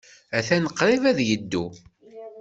Atan qrib ad yeddu.